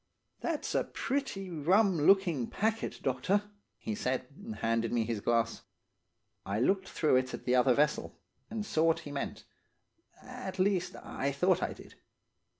"'That's a pretty rum looking, packet, doctor,' he said, and handed me his glass. "I looked through it at the other vessel, and saw what he meant; at least, I thought I did.